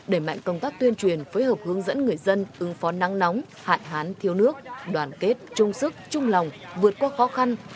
đẩy mạnh công tác tuyên truyền phối hợp hướng dẫn người dân ứng phó năng nóng hạn hán thiếu nước đoàn kết trung sức trung lòng vượt qua khó khăn